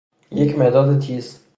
یک مداد تیز